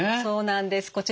そうなんです。